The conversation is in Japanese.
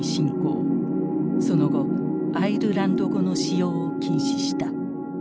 その後アイルランド語の使用を禁止した。